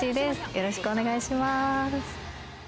よろしく願いします。